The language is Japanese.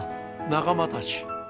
仲間たち！